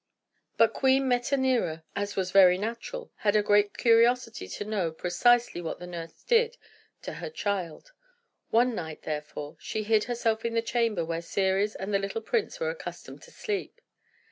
But Queen Metanira, as was very natural, had a great curiosity to know precisely what the nurse did to her child. One night, therefore, she hid herself in the chamber where Ceres and the little prince were accustomed to sleep.